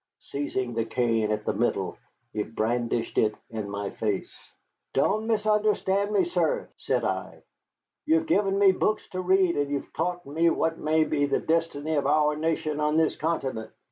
Seizing the cane at the middle, he brandished it in my face. "Don't misunderstand me, sir," said I. "You have given me books to read, and have taught me what may be the destiny of our nation on this continent.